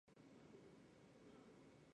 坎伯兰县是美国田纳西州东部的一个县。